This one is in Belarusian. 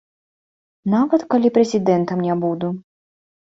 Нават калі прэзідэнтам не буду.